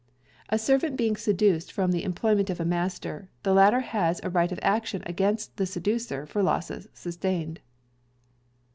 A Servant being Seduced from the Employment of a master, the latter has a right of action against the seducer for losses sustained.